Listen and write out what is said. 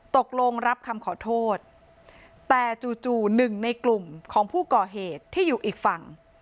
ตกลงรับคำขอโทษแต่จู่หนึ่งในกลุ่มของผู้ก่อเหตุที่อยู่อีกฝั่ง